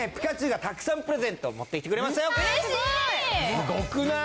すごくない？